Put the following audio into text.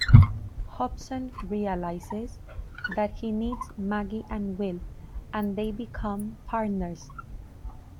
Hobson realizes that he needs Maggie and Will, and they become partners.